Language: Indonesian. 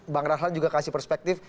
bang rahlan juga kasih perspektif